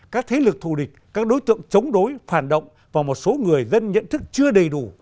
các thế lực thù địch các đối tượng chống đối phản động và một số người dân nhận thức chưa đầy đủ